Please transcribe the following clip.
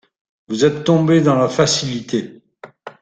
Vous êtes tombé dans la facilité.